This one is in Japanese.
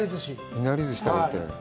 いなりずし食べて。